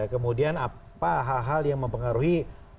kemudian apa hal hal yang mempengaruhi